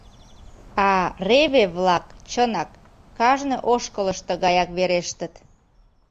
А реве-влак, чынак, кажне ошкылышто гаяк верештыт.